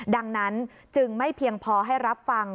ดังนั้นจึงไม่เพียงพอให้รับฟัง